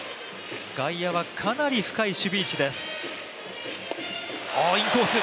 外野はかなり深い守備位置です。